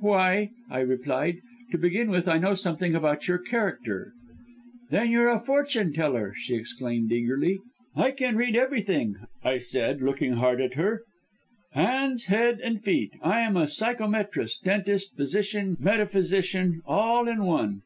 "'Why,' I replied, 'to begin with I know something about your character!' "'Then you're a fortune teller!' she exclaimed eagerly, 'can you read hands?' "'I can read everything,' I said looking hard at her, 'hands, head, and feet. I am psychometrist, dentist, physician, metaphysician all in one!'